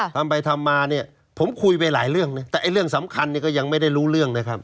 ทำไปทำมาผมคุยไปหลายเรื่องแต่เรื่องสำคัญก็ยังไม่ได้รู้เรื่องนะครับ